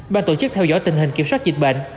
ban tổ chức theo dõi tình hình kiểm soát dịch bệnh